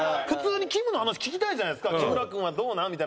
普通にきむの話聞きたいじゃないですか「木村君はどうなん？」